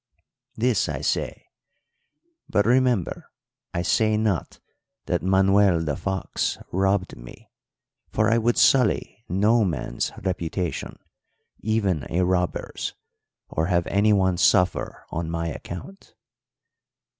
This, I say; but, remember, I say not that Manuel the Fox robbed me for I would sully no man's reputation, even a robber's, or have anyone suffer on my account.